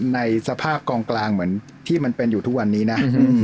ในสภาพกองกลางเหมือนที่มันเป็นอยู่ทุกวันนี้นะ